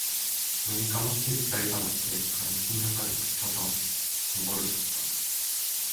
눈이 까맣게 기다리다 못해 반 신 료까지 붙여서 전보를 쳤다.